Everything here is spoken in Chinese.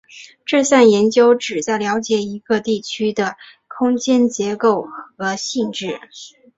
这项研究旨在了解一个地区的空间结构和性质。